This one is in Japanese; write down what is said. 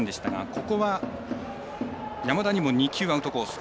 ここは、山田にも２球アウトコース。